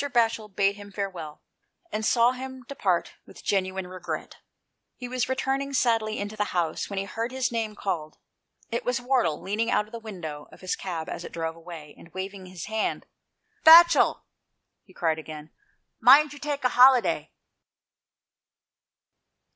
Batchel bade him farewell, and saw him depart with genuine regret ; he was returning sadly into the house when he heard his name called. It was Wardle, leaning out of the window of his cab as it drove away, and waving his hand, "Batchel," he cried again, "mind you take a holiday."